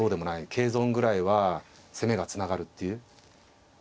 桂損ぐらいは攻めがつながるっていう。